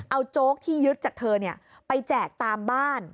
เอาโจ๊กที่ยึดจากเธอไปแจกตามบ้าน